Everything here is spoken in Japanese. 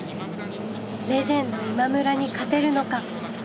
レジェンド今村に勝てるのか。